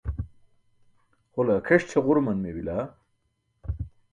Hole akheṣ ćʰaġuruman meeybila.